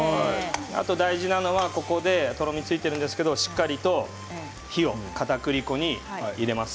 あと大事なのはここでとろみがついているんですけれどもしっかりと火をかたくり粉に入れます。